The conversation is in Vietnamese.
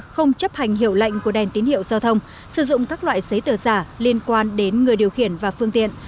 không chấp hành hiệu lệnh của đèn tín hiệu giao thông sử dụng các loại giấy tờ giả liên quan đến người điều khiển và phương tiện